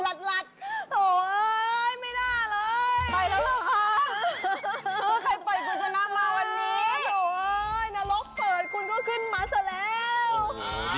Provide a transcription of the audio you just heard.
อันนี้น่ากลัวกว่าผี